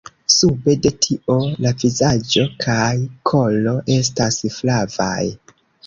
Sube de tio la vizaĝo kaj kolo estas flavaj.